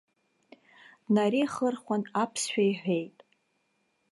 Днареихырхәан аԥсшәа иҳәеит.